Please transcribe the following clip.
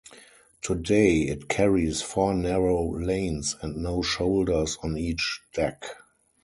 Today, it carries four narrow lanes and no shoulders on each deck.